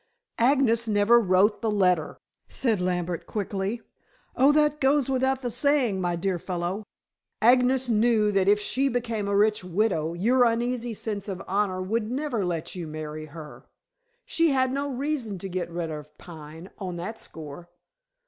"Agnes never wrote the letter," said Lambert quickly. "Oh, that goes without the saying, my dear fellow. Agnes knew that if she became a rich widow, your uneasy sense of honor would never let you marry her. She had no reason to get rid of Pine on that score."